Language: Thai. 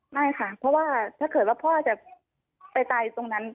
ไม่ค่ะเพราะว่าถ้าเกิดว่าพ่อจะไปตายตรงนั้น